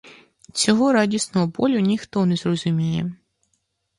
Цього радісного болю ніхто не зрозуміє.